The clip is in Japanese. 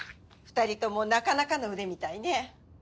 ２人ともなかなかの腕みたいね。